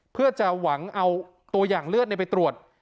เพื่อจะหวังเอาตัวอย่างเลือดไปตรวจ